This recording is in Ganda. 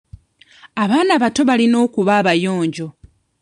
Abaana abato balina okuba abayonjo.